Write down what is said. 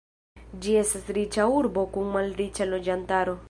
Ĝi estas riĉa urbo kun malriĉa loĝantaro.